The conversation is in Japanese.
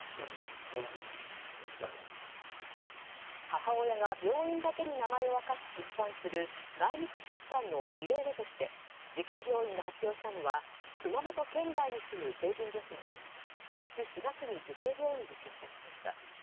母親が病院だけに名前を明かし出産する内密出産の２例目として慈恵病院が発表したのは熊本県外に住む成人女性で今年４月に慈恵病院で出産しました。